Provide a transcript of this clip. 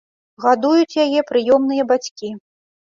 Гадуюць яе прыёмныя бацькі.